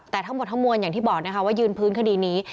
แต่ทั้งหมดทั้งมวลอย่างที่บอกนะคะว่ายืนพื้นคดีนี้